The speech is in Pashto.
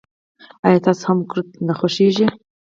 آیا تاسو هم کورت نه خوښیږي.